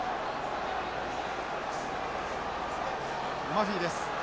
マフィです。